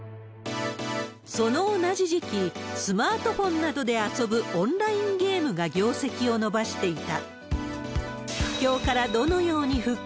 その同じ時期、スマートフォンなどで遊ぶオンラインゲームが業績を伸ばしていた。